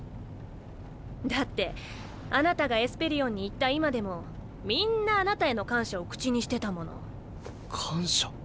だってあなたがエスペリオンに行った今でもみんなあなたへの感謝を口にしてたもの。感謝？